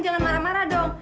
jangan marah marah dong